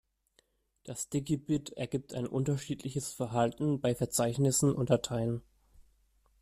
Das "Sticky-Bit" ergibt ein unterschiedliches Verhalten bei Verzeichnissen und Dateien.